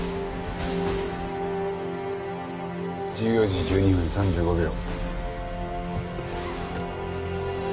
１４時１２分３５秒。